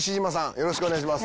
よろしくお願いします。